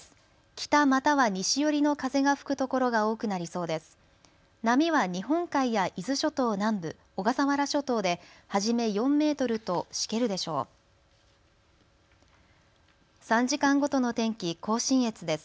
北または西寄りの風が吹くところが多くなりそうです。